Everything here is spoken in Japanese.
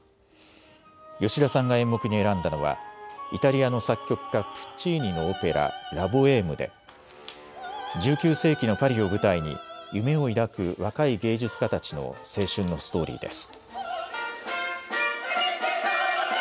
吉田さんが演目に選んだのはイタリアの作曲家、プッチーニのオペラ、ラ・ボエームで１９世紀のパリを舞台に夢を抱く若い芸術家たちの青春のストーリーです。